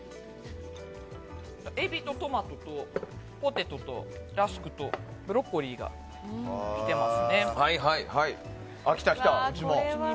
エビとトマトとポテトラスクとブロッコリーがきてます。